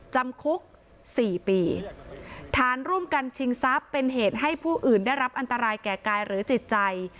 จำคุกสี่ปีฐานร่วมกันชิงทรัพย์เป็นเหตุให้ผู้อื่นได้รับอันตรายแก่กายหรือจิตใจ